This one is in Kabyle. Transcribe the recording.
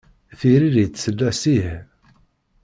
Tiririt tella s "ih".